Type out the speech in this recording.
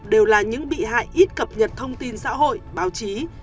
đều là những bị hại ít cập nhật thông tin xã hội báo chí